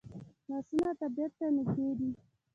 لاسونه طبیعت ته نږدې دي